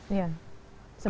sebenarnya sama ya